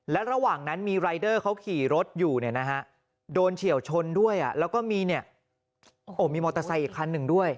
และระหว่างนั้นมีรายเดอร์เขาขี่รถอยู่โดนเฉียวชนด้วยแล้วก็มีมอเตอร์ไซค์อีกคันหนึ่งด้วย